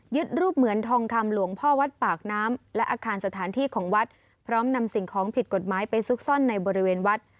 รูปเหมือนทองคำหลวงพ่อวัดปากน้ำและอาคารสถานที่ของวัดพร้อมนำสิ่งของผิดกฎหมายไปซุกซ่อนในบริเวณวัด